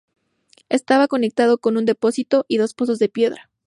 Estaba conectado con un depósito y dos pozos de piedra.